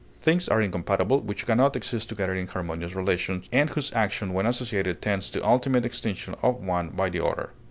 Things are incompatible which can not exist together in harmonious relations, and whose action when associated tends to ultimate extinction of one by the other.